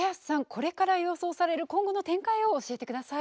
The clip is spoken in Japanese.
これから予想される今後の展開を教えてください。